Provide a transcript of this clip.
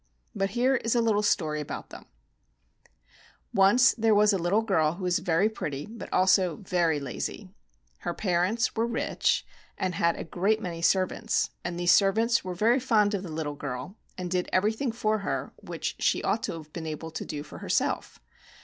But here is a little story about them: Once there was a little girl who was very pretty, but also very lazy. Her parents were rich, and had a great many servants ; and these servants were very fond of the little girl, and did everything for her which she ought to have been able to do for herself.